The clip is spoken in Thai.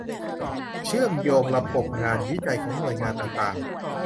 เชื่อมโยงระบบงานวิจัยของหน่วยงานต่างต่าง